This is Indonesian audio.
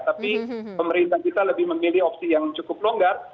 tapi pemerintah kita lebih memilih opsi yang cukup longgar